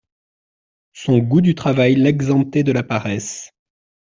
Son goût du travail l'exemptait de la paresse.